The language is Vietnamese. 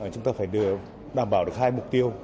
chúng ta phải đảm bảo được hai mục tiêu